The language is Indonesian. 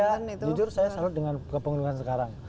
tapi saya jujur saya salut dengan kepengenuhan sekarang